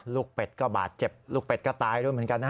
เป็ดก็บาดเจ็บลูกเป็ดก็ตายด้วยเหมือนกันนะฮะ